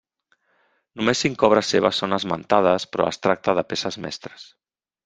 Només cinc obres seves són esmentades, però es tracte de peces mestres.